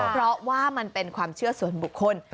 เพราะว่ามันเป็นความเชื่อส่วนบุคคล